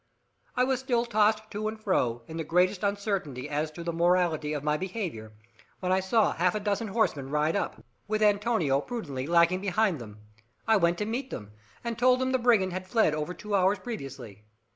I was still tossed to and fro, in the greatest uncertainty as to the morality of my behaviour, when I saw half a dozen horsemen ride up, with Antonio prudently lagging behind them. I went to meet them, and told them the brigand had fled over two hours previously.